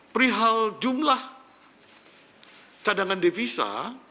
perihal jumlah cadangan devisa